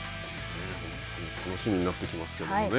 楽しみになってきますけどね。